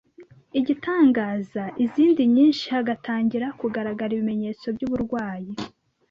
igatanga izindi nyinshi hagatangira kugaragara ibimenyetso by’uburwayi.